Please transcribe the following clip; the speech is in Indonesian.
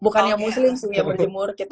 bukan yang muslim sih yang berjemur